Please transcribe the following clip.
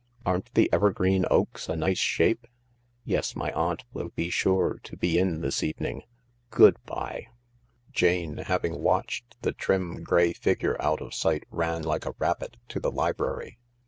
Aren't the evergreen oaks a nice shape ? Yes, my aunt will be sure to be in this evening. Good bye." Jane, having watched the trim, grey figure out of sight, ran like a rabbit to the library.